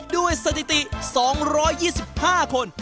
ด้วยสถิติ๒๒๕คน